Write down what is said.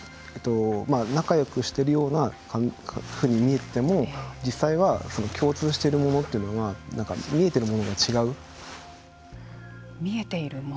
仲よくしてるように見えても実際は共通しているものというのや見えているもの？